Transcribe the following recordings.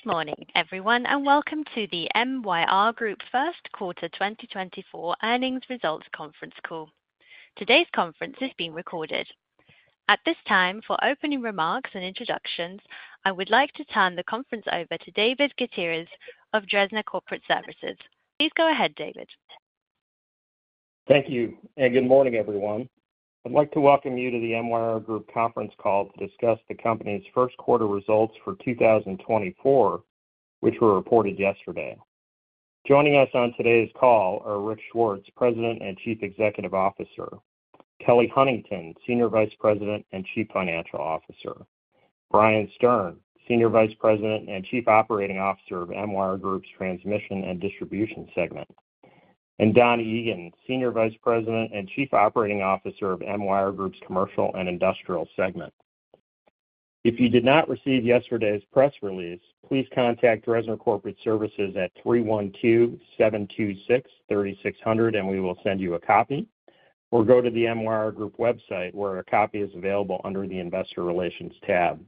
Good morning, everyone, and welcome to the MYR Group first quarter 2024 earnings results conference call. Today's conference is being recorded. At this time, for opening remarks and introductions, I would like to turn the conference over to David Gutierrez of Dresner Corporate Services. Please go ahead, David. Thank you, and good morning, everyone. I'd like to welcome you to the MYR Group conference call to discuss the company's first quarter results for 2024, which were reported yesterday. Joining us on today's call are Rick Swartz, President and Chief Executive Officer, Kelly Huntington, Senior Vice President and Chief Financial Officer, Brian Stern, Senior Vice President and Chief Operating Officer of MYR Group's Transmission and Distribution segment, and Don Egan, Senior Vice President and Chief Operating Officer of MYR Group's Commercial and Industrial segment. If you did not receive yesterday's press release, please contact Dresner Corporate Services at 312-726-3600, and we will send you a copy, or go to the MYR Group website, where a copy is available under the Investor Relations tab.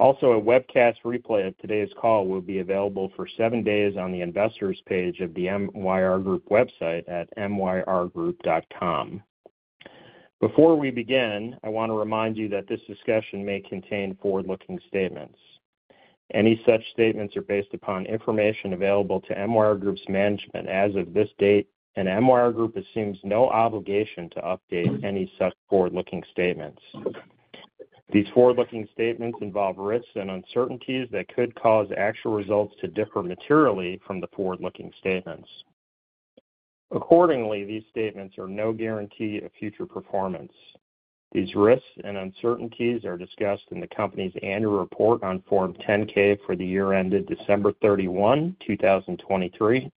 Also, a webcast replay of today's call will be available for seven days on the investors page of the MYR Group website at myrgroup.com. Before we begin, I want to remind you that this discussion may contain forward-looking statements. Any such statements are based upon information available to MYR Group's management as of this date, and MYR Group assumes no obligation to update any such forward-looking statements. These forward-looking statements involve risks and uncertainties that could cause actual results to differ materially from the forward-looking statements. Accordingly, these statements are no guarantee of future performance. These risks and uncertainties are discussed in the company's annual report on Form 10-K for the year ended December 31, 2023,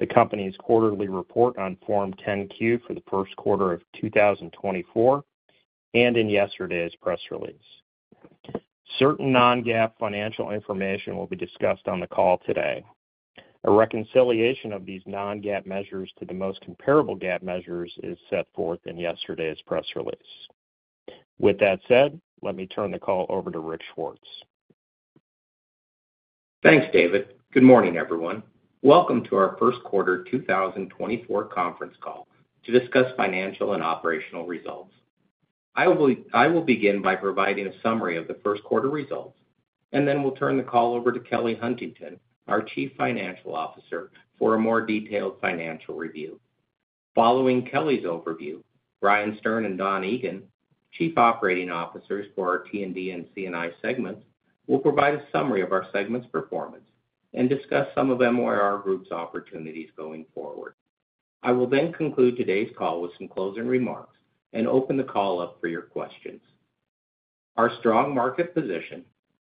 the company's quarterly report on Form 10-Q for the first quarter of 2024, and in yesterday's press release. Certain non-GAAP financial information will be discussed on the call today. A reconciliation of these non-GAAP measures to the most comparable GAAP measures is set forth in yesterday's press release. With that said, let me turn the call over to Rick Swartz. Thanks, David. Good morning, everyone. Welcome to our first quarter 2024 conference call to discuss financial and operational results. I will begin by providing a summary of the first quarter results, and then we'll turn the call over to Kelly Huntington, our Chief Financial Officer, for a more detailed financial review. Following Kelly's overview, Brian Stern and Don Egan, Chief Operating Officers for our T&D and C&I segments, will provide a summary of our segment's performance and discuss some of MYR Group's opportunities going forward. I will then conclude today's call with some closing remarks and open the call up for your questions. Our strong market position,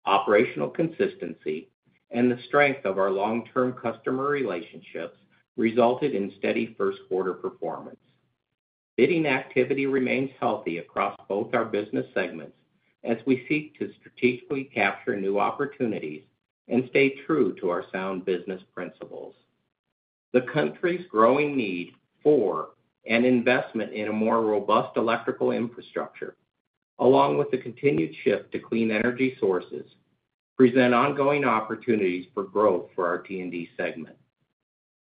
operational consistency, and the strength of our long-term customer relationships resulted in steady first quarter performance. Bidding activity remains healthy across both our business segments as we seek to strategically capture new opportunities and stay true to our sound business principles. The country's growing need for an investment in a more robust electrical infrastructure, along with the continued shift to clean energy sources, present ongoing opportunities for growth for our T&D segment.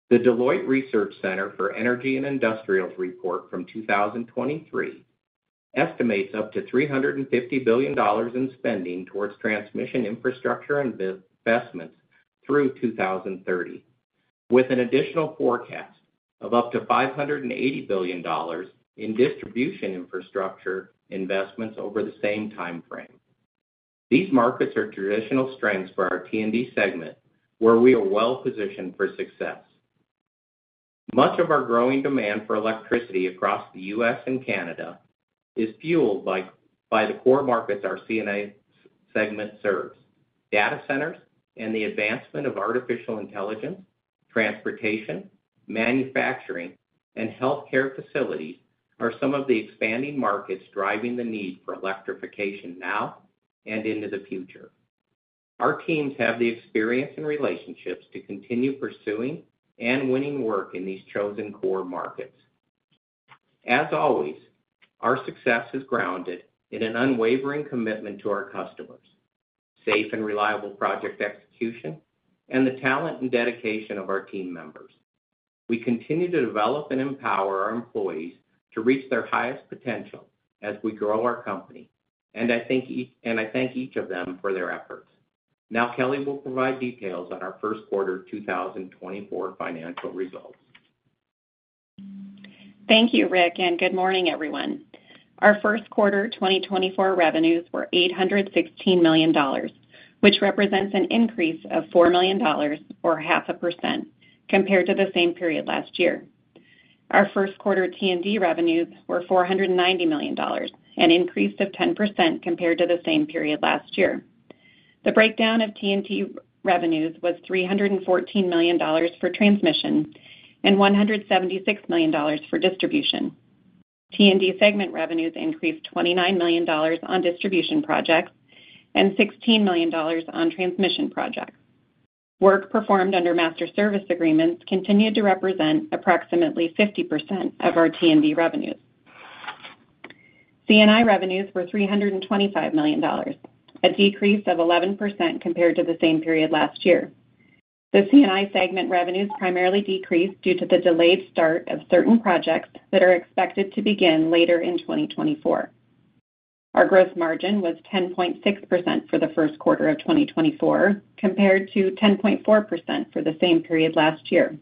The Deloitte Research Center for Energy and Industrials report from 2023 estimates up to $350 billion in spending towards transmission, infrastructure, and investments through 2030, with an additional forecast of up to $580 billion in distribution infrastructure investments over the same timeframe. These markets are traditional strengths for our T&D segment, where we are well-positioned for success. Much of our growing demand for electricity across the U.S. and Canada is fueled by the core markets our C&I segment serves. Data centers and the advancement of artificial intelligence, transportation, manufacturing, and healthcare facilities are some of the expanding markets driving the need for electrification now and into the future. Our teams have the experience and relationships to continue pursuing and winning work in these chosen core markets. As always, our success is grounded in an unwavering commitment to our customers, safe and reliable project execution, and the talent and dedication of our team members. We continue to develop and empower our employees to reach their highest potential as we grow our company, and I thank each of them for their efforts. Now, SKelly will provide details on our first quarter 2024 financial results. Thank you, Rick, and good morning, everyone. Our first quarter 2024 revenues were $816 million, which represents an increase of $4 million or 0.5% compared to the same period last year. Our first quarter T&D revenues were $490 million, an increase of 10% compared to the same period last year. The breakdown of T&D revenues was $314 million for transmission and $176 million for distribution. T&D segment revenues increased $29 million on distribution projects and $16 million on transmission projects. Work performed under master service agreements continued to represent approximately 50% of our T&D revenues.... C&I revenues were $325 million, a decrease of 11% compared to the same period last year. The C&I segment revenues primarily decreased due to the delayed start of certain projects that are expected to begin later in 2024. Our gross margin was 10.6% for the first quarter of 2024, compared to 10.4% for the same period last year.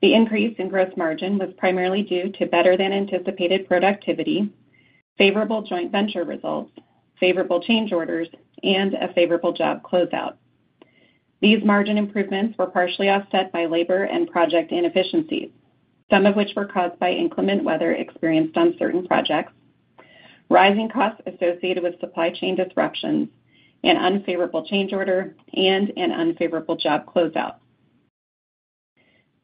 The increase in gross margin was primarily due to better-than-anticipated productivity, favorable joint venture results, favorable change orders, and a favorable job closeout. These margin improvements were partially offset by labor and project inefficiencies, some of which were caused by inclement weather experienced on certain projects, rising costs associated with supply chain disruptions, an unfavorable change order, and an unfavorable job closeout.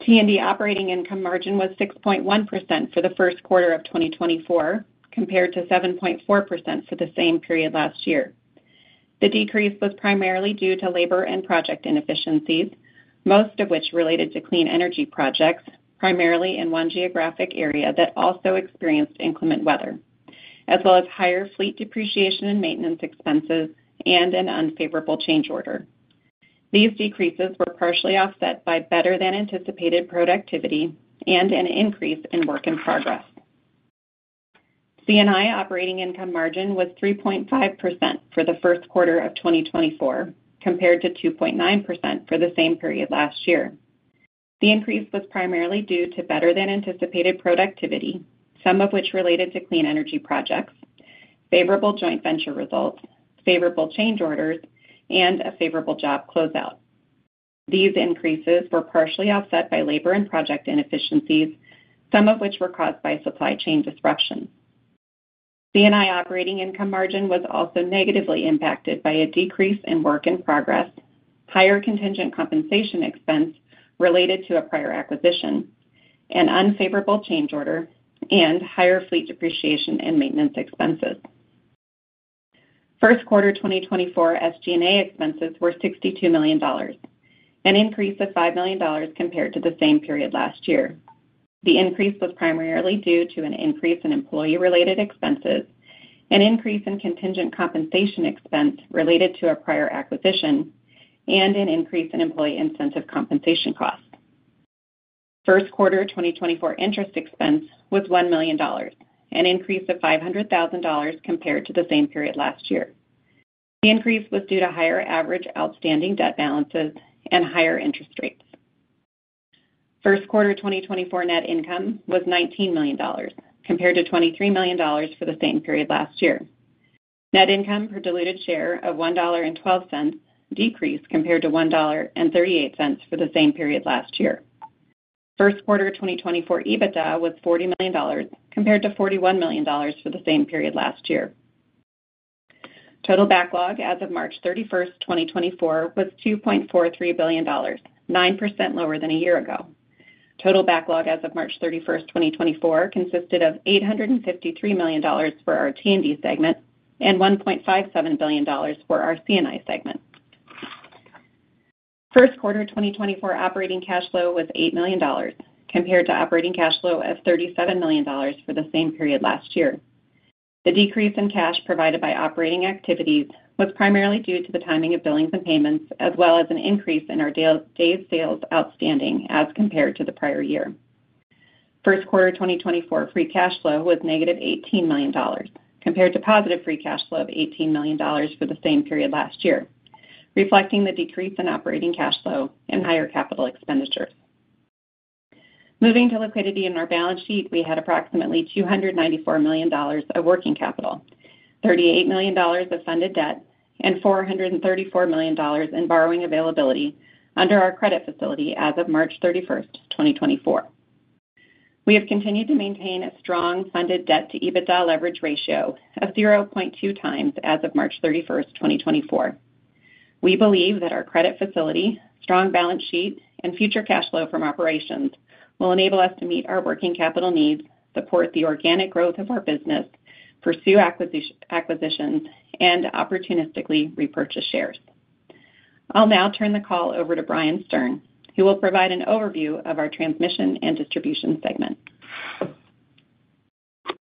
T&D operating income margin was 6.1% for the first quarter of 2024, compared to 7.4% for the same period last year. The decrease was primarily due to labor and project inefficiencies, most of which related to clean energy projects, primarily in one geographic area that also experienced inclement weather, as well as higher fleet depreciation and maintenance expenses and an unfavorable change order. These decreases were partially offset by better-than-anticipated productivity and an increase in work in progress. C&I operating income margin was 3.5% for the first quarter of 2024, compared to 2.9% for the same period last year. The increase was primarily due to better-than-anticipated productivity, some of which related to clean energy projects, favorable joint venture results, favorable change orders, and a favorable job closeout. These increases were partially offset by labor and project inefficiencies, some of which were caused by supply chain disruptions. C&I operating income margin was also negatively impacted by a decrease in work in progress, higher contingent compensation expense related to a prior acquisition, an unfavorable change order, and higher fleet depreciation and maintenance expenses. First quarter 2024 SG&A expenses were $62 million, an increase of $5 million compared to the same period last year. The increase was primarily due to an increase in employee-related expenses, an increase in contingent compensation expense related to a prior acquisition, and an increase in employee incentive compensation costs. First quarter 2024 interest expense was $1 million, an increase of $500,000 compared to the same period last year. The increase was due to higher average outstanding debt balances and higher interest rates. First quarter 2024 net income was $19 million, compared to $23 million for the same period last year. Net income per diluted share of $1.12 decreased compared to $1.38 for the same period last year. First quarter 2024 EBITDA was $40 million, compared to $41 million for the same period last year. Total backlog as of March 31, 2024, was $2.43 billion, 9% lower than a year ago. Total backlog as of March 31, 2024, consisted of $853 million for our T&D segment and $1.57 billion for our C&I segment. First quarter 2024 operating cash flow was $8 million, compared to operating cash flow of $37 million for the same period last year. The decrease in cash provided by operating activities was primarily due to the timing of billings and payments, as well as an increase in our days' sales outstanding as compared to the prior year. First quarter 2024 free cash flow was negative $18 million, compared to positive free cash flow of $18 million for the same period last year, reflecting the decrease in operating cash flow and higher capital expenditures. Moving to liquidity in our balance sheet, we had approximately $294 million of working capital, $38 million of funded debt, and $434 million in borrowing availability under our credit facility as of March 31, 2024. We have continued to maintain a strong funded debt to EBITDA leverage ratio of 0.2x as of March 31, 2024. We believe that our credit facility, strong balance sheet, and future cash flow from operations will enable us to meet our working capital needs, support the organic growth of our business, pursue acquisition, acquisitions, and opportunistically repurchase shares. I'll now turn the call over to Brian Stern, who will provide an overview of our Transmission and Distribution segment.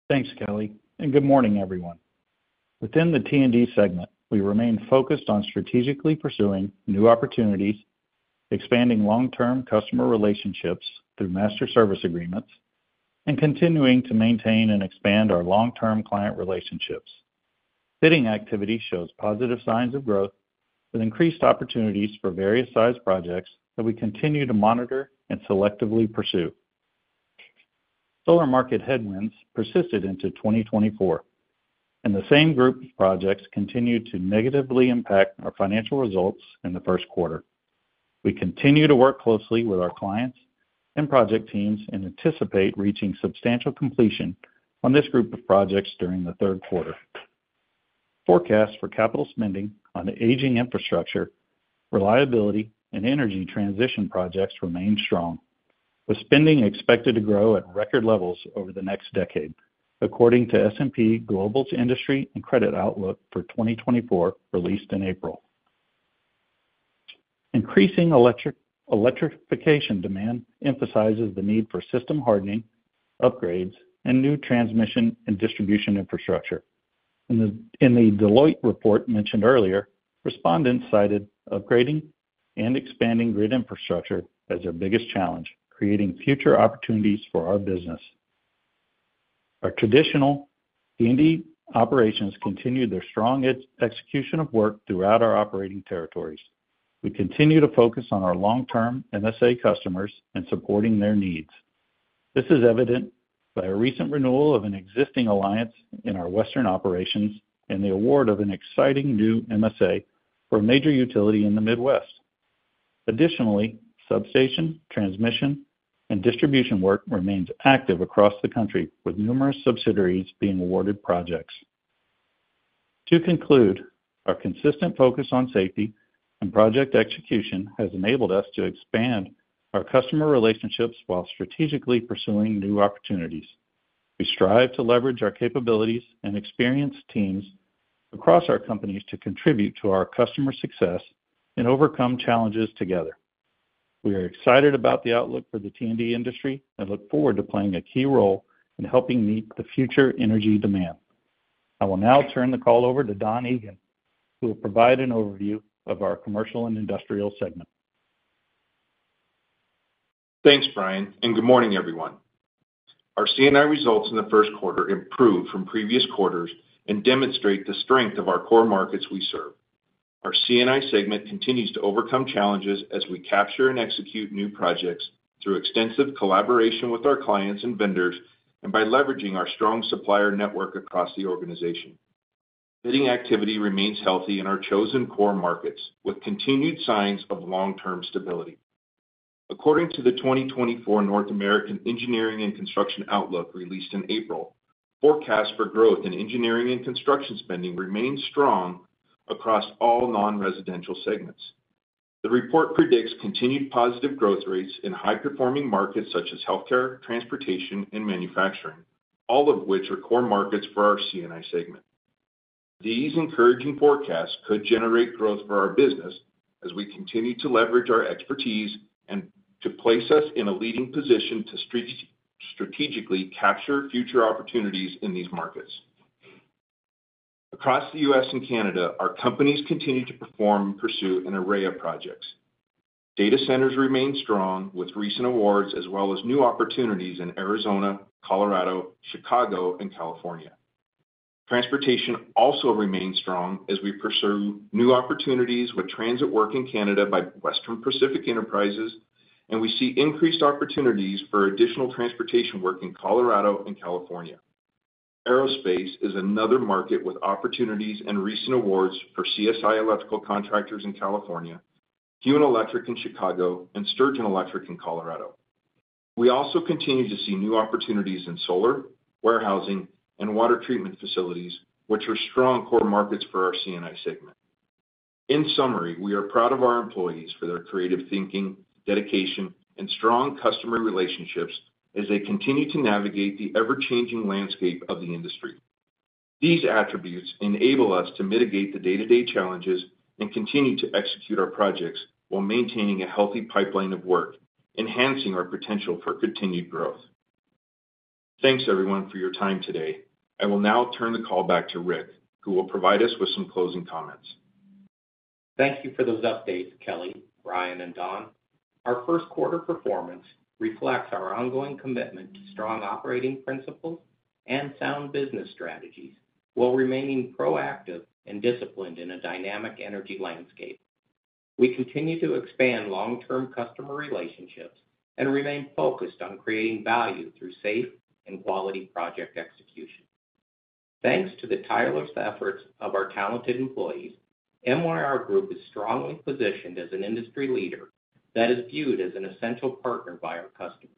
Thanks, Kelly, and good morning, everyone. Within the T&D segment, we remain focused on strategically pursuing new opportunities, expanding long-term customer relationships through master service agreements, and continuing to maintain and expand our long-term client relationships. Bidding activity shows positive signs of growth, with increased opportunities for various size projects that we continue to monitor and selectively pursue. Solar market headwinds persisted into 2024, and the same group projects continued to negatively impact our financial results in the first quarter. We continue to work closely with our clients and project teams and anticipate reaching substantial completion on this group of projects during the third quarter. Forecast for capital spending on the aging infrastructure, reliability, and energy transition projects remain strong, with spending expected to grow at record levels over the next decade, according to S&P Global's Industry and Credit Outlook for 2024, released in April. Increasing electrification demand emphasizes the need for system hardening, upgrades, and new transmission and distribution infrastructure. In the Deloitte report mentioned earlier, respondents cited upgrading and expanding grid infrastructure as their biggest challenge, creating future opportunities for our business. Our traditional T&D operations continue their strong execution of work throughout our operating territories. We continue to focus on our long-term MSA customers and supporting their needs. This is evident by a recent renewal of an existing alliance in our Western operations and the award of an exciting new MSA for a major utility in the Midwest. Additionally, substation, transmission, and distribution work remains active across the country, with numerous subsidiaries being awarded projects. To conclude, our consistent focus on safety and project execution has enabled us to expand our customer relationships while strategically pursuing new opportunities. We strive to leverage our capabilities and experienced teams across our companies to contribute to our customer success and overcome challenges together. We are excited about the outlook for the T&D industry and look forward to playing a key role in helping meet the future energy demand. I will now turn the call over to Don Egan, who will provide an overview of our Commercial and Industrial segment. Thanks, Brian, and good morning, everyone. Our C&I results in the first quarter improved from previous quarters and demonstrate the strength of our core markets we serve. Our C&I segment continues to overcome challenges as we capture and execute new projects through extensive collaboration with our clients and vendors, and by leveraging our strong supplier network across the organization. Bidding activity remains healthy in our chosen core markets, with continued signs of long-term stability. According to the 2024 North American Engineering and Construction Outlook, released in April, forecasts for growth in engineering and construction spending remain strong across all non-residential segments. The report predicts continued positive growth rates in high-performing markets such as healthcare, transportation, and manufacturing, all of which are core markets for our C&I segment. These encouraging forecasts could generate growth for our business as we continue to leverage our expertise and to place us in a leading position to strategically capture future opportunities in these markets. Across the U.S. and Canada, our companies continue to perform and pursue an array of projects. Data centers remain strong, with recent awards as well as new opportunities in Arizona, Colorado, Chicago, and California. Transportation also remains strong as we pursue new opportunities with transit work in Canada by Western Pacific Enterprises, and we see increased opportunities for additional transportation work in Colorado and California. Aerospace is another market with opportunities and recent awards for CSI Electrical Contractors in California, Huen Electric in Chicago, and Sturgeon Electric in Colorado. We also continue to see new opportunities in solar, warehousing, and water treatment facilities, which are strong core markets for our C&I segment. In summary, we are proud of our employees for their creative thinking, dedication, and strong customer relationships as they continue to navigate the ever-changing landscape of the industry. These attributes enable us to mitigate the day-to-day challenges and continue to execute our projects while maintaining a healthy pipeline of work, enhancing our potential for continued growth. Thanks, everyone, for your time today. I will now turn the call back to Rick, who will provide us with some closing comments. Thank you for those updates, Kelly, Brian, and Don. Our first quarter performance reflects our ongoing commitment to strong operating principles and sound business strategies, while remaining proactive and disciplined in a dynamic energy landscape. We continue to expand long-term customer relationships and remain focused on creating value through safe and quality project execution. Thanks to the tireless efforts of our talented employees, MYR Group is strongly positioned as an industry leader that is viewed as an essential partner by our customers.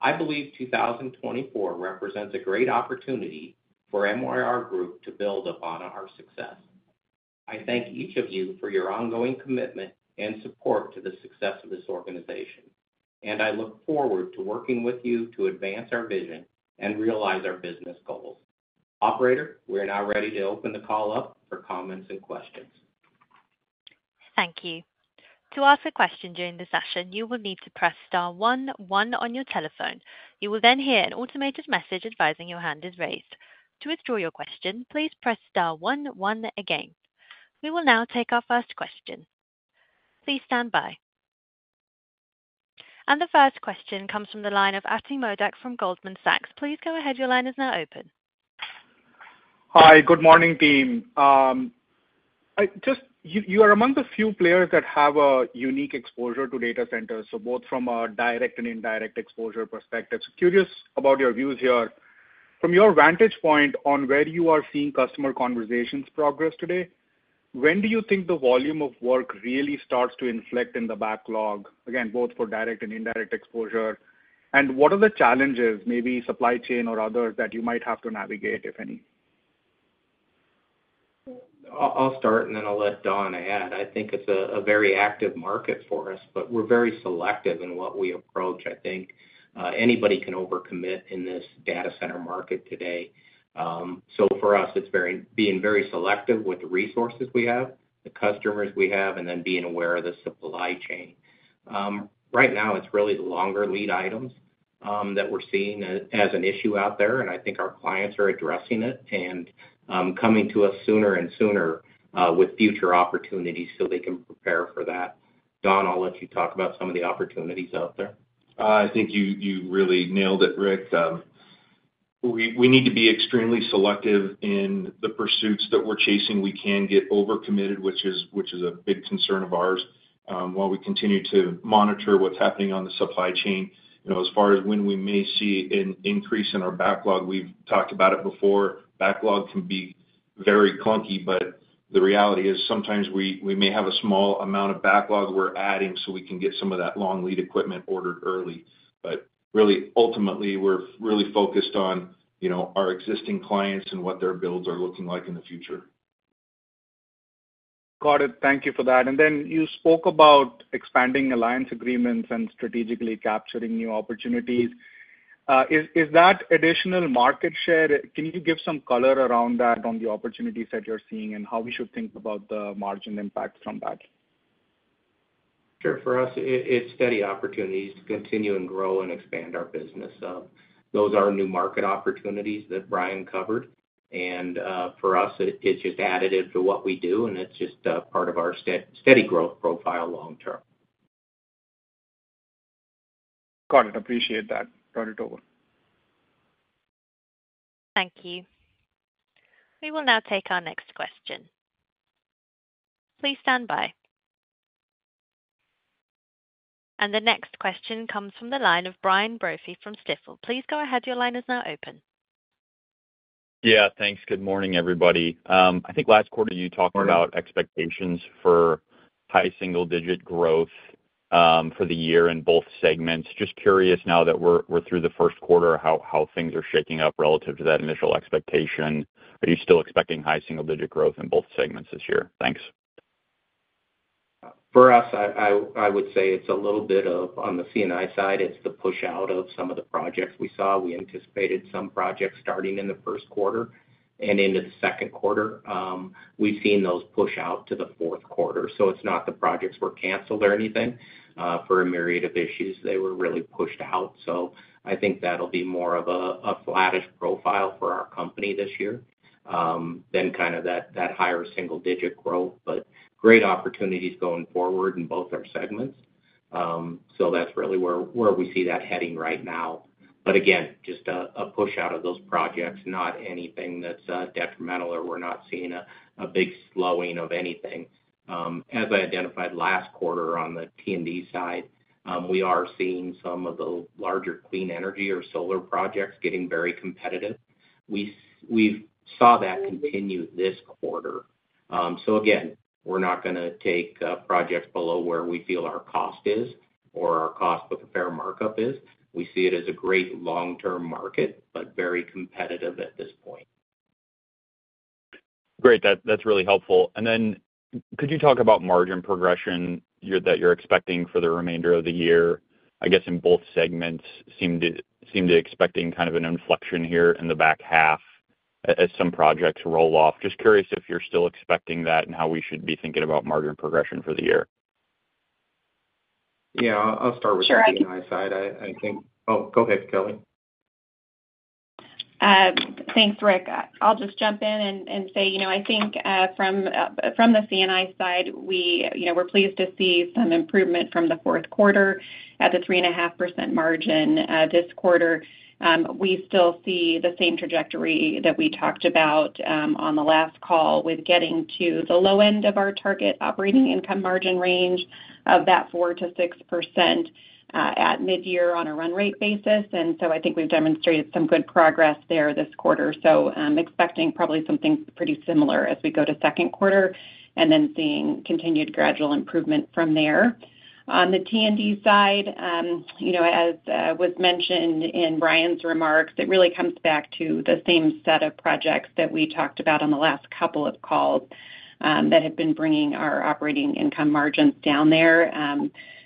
I believe 2024 represents a great opportunity for MYR Group to build upon our success. I thank each of you for your ongoing commitment and support to the success of this organization, and I look forward to working with you to advance our vision and realize our business goals. Operator, we're now ready to open the call up for comments and questions. Thank you. To ask a question during the session, you will need to press star one one on your telephone. You will then hear an automated message advising your hand is raised. To withdraw your question, please press star one one again. We will now take our first question. Please stand by. And the first question comes from the line of Ati Modak from Goldman Sachs. Please go ahead. Your line is now open. Hi, good morning, team. You are among the few players that have a unique exposure to data centers, so both from a direct and indirect exposure perspective. So curious about your views here. From your vantage point on where you are seeing customer conversations progress today, when do you think the volume of work really starts to inflect in the backlog, again, both for direct and indirect exposure? And what are the challenges, maybe supply chain or others, that you might have to navigate, if any? I'll start, and then I'll let Don add. I think it's a very active market for us, but we're very selective in what we approach. I think anybody can overcommit in this data center market today. So for us, it's very being very selective with the resources we have, the customers we have, and then being aware of the supply chain. Right now, it's really the longer lead items that we're seeing as an issue out there, and I think our clients are addressing it and coming to us sooner and sooner with future opportunities so they can prepare for that. Don, I'll let you talk about some of the opportunities out there. I think you really nailed it, Rick. We need to be extremely selective in the pursuits that we're chasing. We can get over-committed, which is a big concern of ours. While we continue to monitor what's happening on the supply chain, you know, as far as when we may see an increase in our backlog, we've talked about it before. Backlog can be very clunky, but the reality is sometimes we may have a small amount of backlog we're adding, so we can get some of that long lead equipment ordered early. But really, ultimately, we're really focused on, you know, our existing clients and what their builds are looking like in the future. Got it. Thank you for that. And then you spoke about expanding alliance agreements and strategically capturing new opportunities. Is that additional market share? Can you give some color around that, on the opportunities that you're seeing, and how we should think about the margin impact from that? Sure. For us, it's steady opportunities to continue and grow and expand our business. Those are new market opportunities that Brian covered, and for us, it's just additive to what we do, and it's just part of our steady growth profile long term. Got it. Appreciate that. Turn it over. Thank you. We will now take our next question. Please stand by. And the next question comes from the line of Brian Brophy from Stifel. Please go ahead. Your line is now open. Yeah, thanks. Good morning, everybody. I think last quarter you talked- Morning. about expectations for high single digit growth for the year in both segments. Just curious, now that we're through the first quarter, how things are shaping up relative to that initial expectation. Are you still expecting high single digit growth in both segments this year? Thanks. For us, I would say it's a little bit of on the C&I side, it's the push out of some of the projects we saw. We anticipated some projects starting in the first quarter and into the second quarter. We've seen those push out to the fourth quarter, so it's not the projects were canceled or anything. For a myriad of issues, they were really pushed out. So I think that'll be more of a flattish profile for our company this year than kind of that higher single digit growth. But great opportunities going forward in both our segments. So that's really where we see that heading right now. But again, just a push out of those projects, not anything that's detrimental or we're not seeing a big slowing of anything. As I identified last quarter on the T&D side, we are seeing some of the larger clean energy or solar projects getting very competitive. We've saw that continue this quarter. So again, we're not gonna take projects below where we feel our cost is or our cost with a fair markup is. We see it as a great long-term market, but very competitive at this point. Great, that's really helpful. And then could you talk about margin progression that you're expecting for the remainder of the year? I guess in both segments seem to expecting kind of an inflection here in the back half as some projects roll off. Just curious if you're still expecting that and how we should be thinking about margin progression for the year. Yeah, I'll start with the C&I side. Sure, I- Oh, go ahead, Kelly. Thanks, Rick. I'll just jump in and say, you know, I think, from the C&I side, we, you know, we're pleased to see some improvement from the fourth quarter at the 3.5% margin, this quarter. We still see the same trajectory that we talked about, on the last call with getting to the low end of our target operating income margin range of that 4%-6%, at mid-year on a run rate basis. So I think we've demonstrated some good progress there this quarter. I'm expecting probably something pretty similar as we go to second quarter and then seeing continued gradual improvement from there. On the T&D side, you know, as was mentioned in Brian's remarks, it really comes back to the same set of projects that we talked about on the last couple of calls, that have been bringing our operating income margins down there.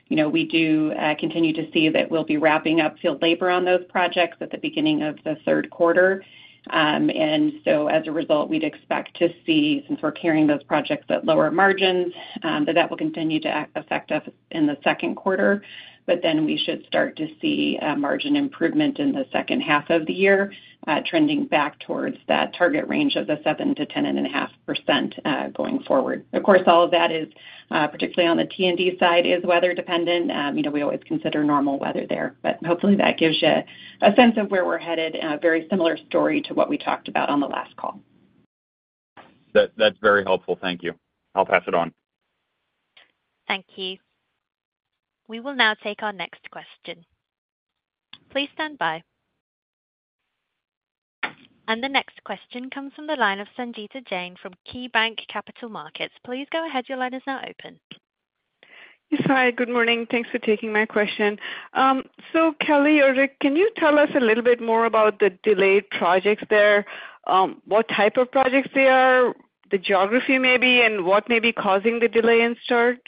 You know, we do continue to see that we'll be wrapping up field labor on those projects at the beginning of the third quarter. And so as a result, we'd expect to see, since we're carrying those projects at lower margins, that that will continue to affect us in the second quarter. But then we should start to see margin improvement in the second half of the year, trending back towards that target range of the 7%-10.5%, going forward. Of course, all of that is particularly on the T&D side, weather dependent. You know, we always consider normal weather there, but hopefully, that gives you a sense of where we're headed, and a very similar story to what we talked about on the last call. That's very helpful. Thank you. I'll pass it on. Thank you. We will now take our next question. Please stand by. The next question comes from the line of Sangita Jain from KeyBanc Capital Markets. Please go ahead. Your line is now open. Yes, hi, good morning. Thanks for taking my question. So, Kelly or Rick, can you tell us a little bit more about the delayed projects there? What type of projects they are, the geography maybe, and what may be causing the delay in start?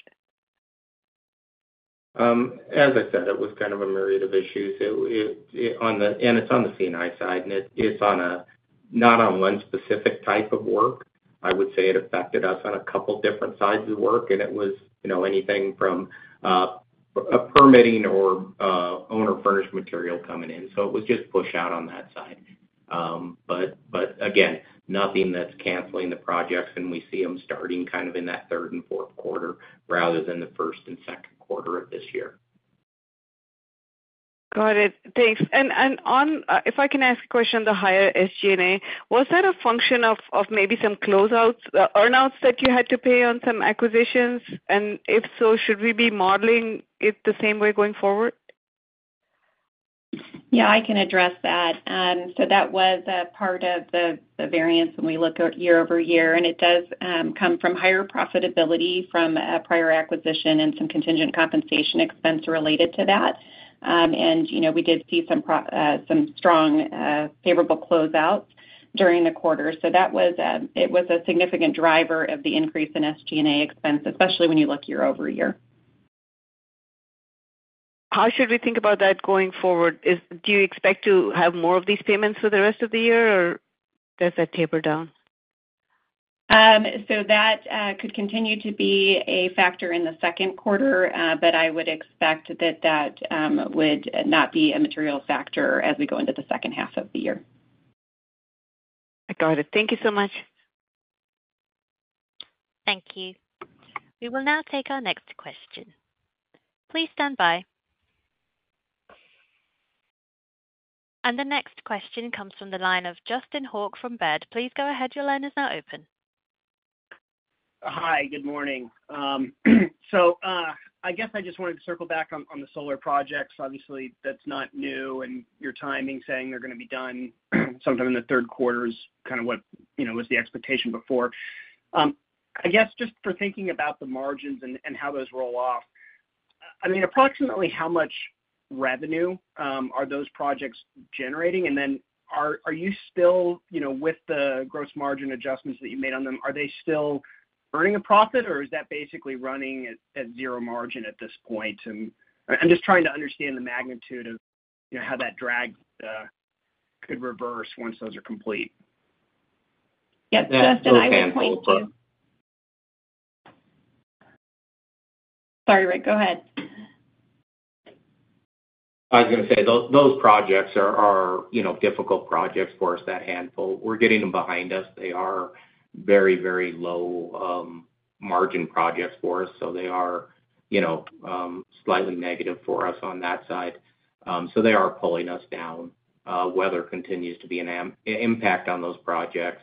As I said, it was kind of a myriad of issues. It on the... and it's on the C&I side, and it's on a, not on one specific type of work. I would say it affected us on a couple different sides of work, and it was, you know, anything from, a permitting or, owner furnished material coming in. So it was just push out on that side. But again, nothing that's canceling the projects, and we see them starting kind of in that third and fourth quarter rather than the first and second quarter of this year. Got it. Thanks. And on, if I can ask a question on the higher SG&A, was that a function of maybe some closeouts, earn-outs that you had to pay on some acquisitions? And if so, should we be modeling it the same way going forward? Yeah, I can address that. So that was a part of the variance when we look at year-over-year, and it does come from higher profitability from a prior acquisition and some contingent compensation expense related to that. And, you know, we did see some strong favorable closeouts during the quarter. So that was a significant driver of the increase in SG&A expense, especially when you look year-over-year. How should we think about that going forward? Do you expect to have more of these payments for the rest of the year, or does that taper down? So that could continue to be a factor in the second quarter, but I would expect that would not be a material factor as we go into the second half of the year. Got it. Thank you so much. Thank you. We will now take our next question. Please stand by. The next question comes from the line of Justin Hauke from Baird. Please go ahead. Your line is now open. Hi, good morning. So, I guess I just wanted to circle back on, on the solar projects. Obviously, that's not new, and your timing saying they're gonna be done sometime in the third quarter is kind of what, you know, was the expectation before. I guess, just for thinking about the margins and, and how those roll off, I mean, approximately how much revenue are those projects generating? And then are, are you still, you know, with the gross margin adjustments that you made on them, are they still earning a profit, or is that basically running at, at zero margin at this point? And I'm just trying to understand the magnitude of, you know, how that drag could reverse once those are complete. Yep, Justin, I would point to- Yeah, a handful, but- Sorry, Rick, go ahead. I was gonna say, those projects are, you know, difficult projects for us, that handful. We're getting them behind us. They are very, very low margin projects for us, so they are, you know, slightly negative for us on that side. So they are pulling us down. Weather continues to be an impact on those projects,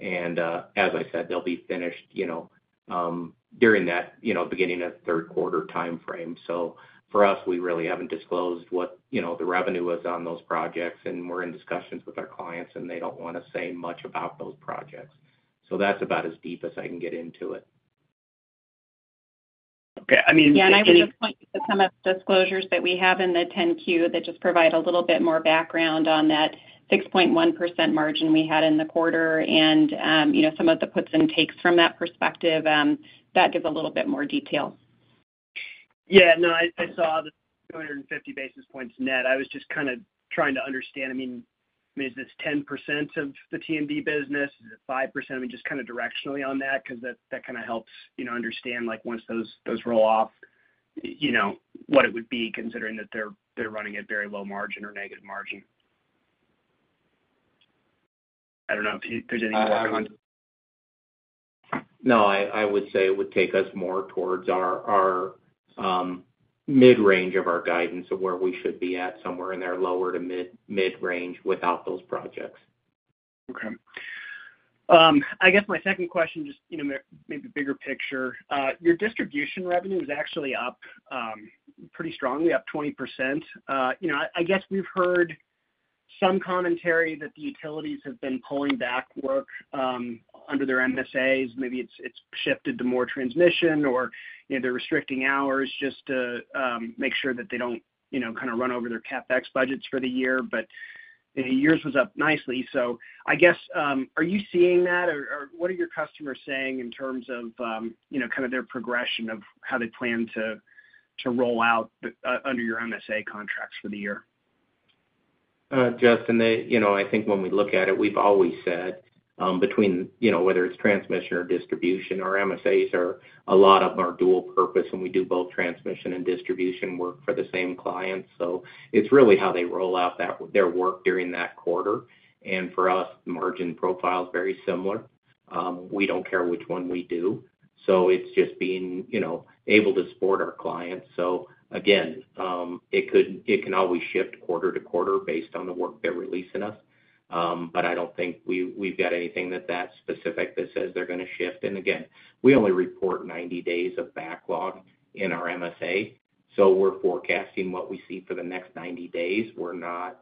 and as I said, they'll be finished, you know, during that, you know, beginning of third quarter timeframe. So for us, we really haven't disclosed what, you know, the revenue was on those projects, and we're in discussions with our clients, and they don't wanna say much about those projects. So that's about as deep as I can get into it. Okay, I mean, I mean- Yeah, and I would just point you to some of the disclosures that we have in the 10-Q that just provide a little bit more background on that 6.1% margin we had in the quarter and, you know, some of the puts and takes from that perspective, that gives a little bit more detail. Yeah. No, I, I saw the 250 basis points net. I was just kind of trying to understand, I mean, is this 10% of the T&D business? Is it 5%? I mean, just kind of directionally on that, 'cause that, that kind of helps, you know, understand, like, once those, those roll off, you know, what it would be, considering that they're, they're running at very low margin or negative margin. I don't know if you- there's anything you want to... No, I would say it would take us more towards our mid-range of our guidance of where we should be at, somewhere in there, lower to mid-midrange without those projects. Okay. I guess my second question, just, you know, maybe bigger picture. Your distribution revenue is actually up, pretty strongly, up 20%. You know, I guess we've heard some commentary that the utilities have been pulling back work, under their MSAs. Maybe it's shifted to more transmission or, you know, they're restricting hours just to make sure that they don't, you know, kind of run over their CapEx budgets for the year. But yours was up nicely, so I guess, are you seeing that, or what are your customers saying in terms of, you know, kind of their progression of how they plan to roll out the under your MSA contracts for the year? Justin, they, you know, I think when we look at it, we've always said, between, you know, whether it's transmission or distribution, our MSAs are a lot of them are dual purpose, and we do both transmission and distribution work for the same clients. So it's really how they roll out that their work during that quarter. And for us, the margin profile is very similar. We don't care which one we do, so it's just being, you know, able to support our clients. So again, it could it can always shift quarter to quarter based on the work they're releasing us. But I don't think we, we've got anything that, that specific that says they're gonna shift. And again, we only report 90 days of backlog in our MSA, so we're forecasting what we see for the next 90 days. We're not,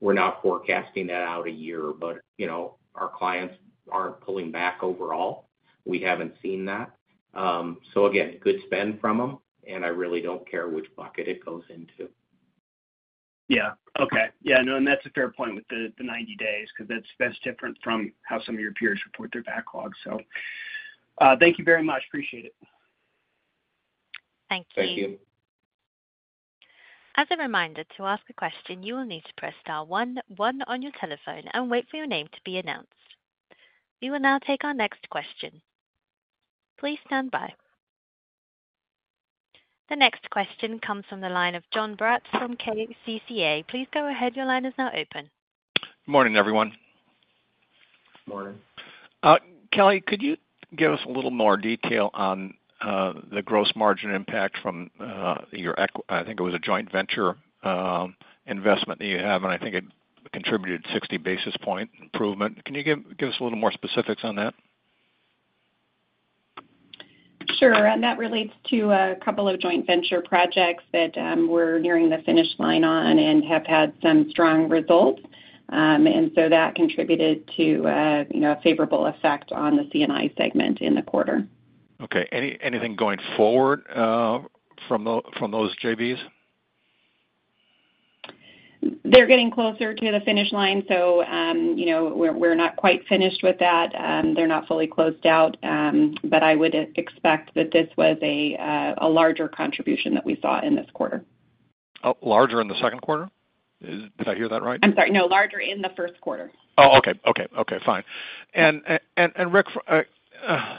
we're not forecasting that out a year, but, you know, our clients aren't pulling back overall. We haven't seen that. So again, good spend from them, and I really don't care which bucket it goes into. Yeah. Okay. Yeah, no, and that's a fair point with the, the 90 days, 'cause that's, that's different from how some of your peers report their backlogs. So, thank you very much. Appreciate it. Thank you. Thank you. ...As a reminder, to ask a question, you will need to press star one one on your telephone and wait for your name to be announced. We will now take our next question. Please stand by. The next question comes from the line of Jon Braatz from KCCA. Please go ahead. Your line is now open. Morning, everyone. Morning. Kelly, could you give us a little more detail on the gross margin impact from your I think it was a joint venture investment that you have, and I think it contributed 60 basis point improvement. Can you give, give us a little more specifics on that? Sure. And that relates to a couple of joint venture projects that we're nearing the finish line on and have had some strong results. And so that contributed to, you know, a favorable effect on the C&I segment in the quarter. Okay, anything going forward, from those JVs? They're getting closer to the finish line, so, you know, we're not quite finished with that. They're not fully closed out, but I would expect that this was a larger contribution that we saw in this quarter. Larger in the second quarter? Did I hear that right? I'm sorry, no, larger in the first quarter. Oh, okay. Okay, okay, fine. And Rick,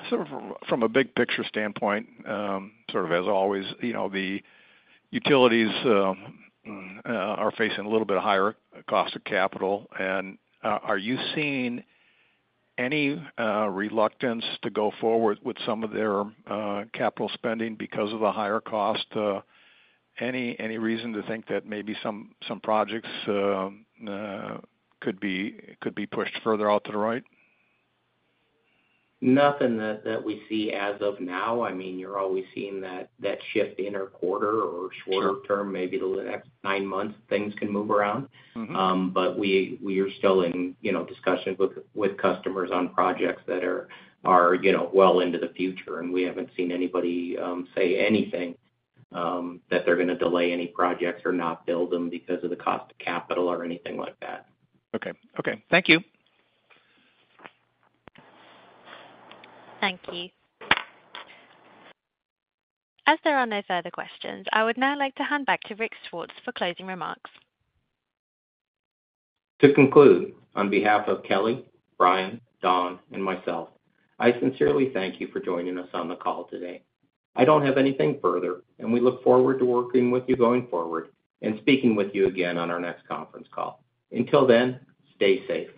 sort of from a big picture standpoint, sort of as always, you know, the utilities are facing a little bit higher cost of capital. And, are you seeing any reluctance to go forward with some of their capital spending because of the higher cost... Any reason to think that maybe some projects could be pushed further out to the right? Nothing that we see as of now. I mean, you're always seeing that shift in a quarter or- Sure... shorter term, maybe the next nine months, things can move around. Mm-hmm. But we are still in, you know, discussions with customers on projects that are, you know, well into the future, and we haven't seen anybody say anything that they're gonna delay any projects or not build them because of the cost of capital or anything like that. Okay. Okay, thank you. Thank you. As there are no further questions, I would now like to hand back to Rick Swartz for closing remarks. To conclude, on behalf of Kelly, Brian, Don, and myself, I sincerely thank you for joining us on the call today. I don't have anything further, and we look forward to working with you going forward and speaking with you again on our next conference call. Until then, stay safe.